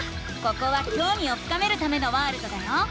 ここはきょうみを深めるためのワールドだよ。